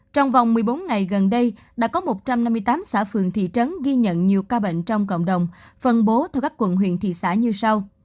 trong vòng một mươi bốn ngày gần đây đã có một trăm năm mươi tám xã phường thị trấn ghi nhận nhiều ca bệnh trong cộng đồng phân bố theo các quận huyện thị xã như sau